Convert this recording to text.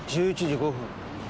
１１時５分？